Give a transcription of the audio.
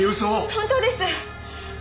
本当です！